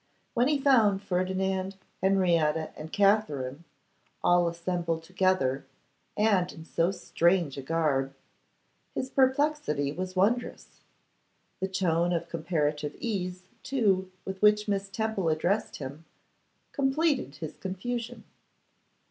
When he found Ferdinand, Henrietta, and Katherine, all assembled together, and in so strange a garb, his perplexity was wondrous. The tone of comparative ease, too, with which Miss Temple addressed him, completed his confusion.